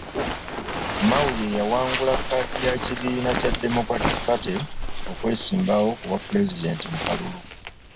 Mao ye yawangula kkaadi y'ekibiina kya Democratic Party okwesimbawo ku bwapulezidenti mu kalulu.